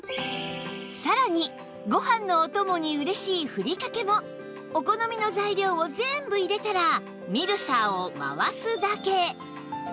さらにご飯のお供に嬉しいふりかけもお好みの材料を全部入れたらミルサーを回すだけ